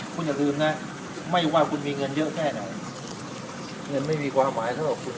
คุณอย่าลืมนะไม่ว่าคุณมีเงินเยอะแค่ไหนเงินไม่มีความหมายเท่าหรอกคุณ